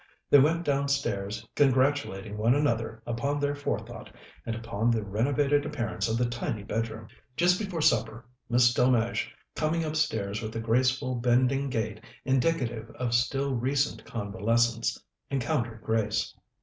They went downstairs congratulating one another upon their forethought, and upon the renovated appearance of the tiny bedroom. Just before supper Miss Delmege, coming upstairs with a graceful, bending gait indicative of still recent convalescence, encountered Grace.